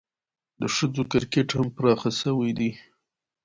د ښځو کرکټ هم پراخه سوی دئ.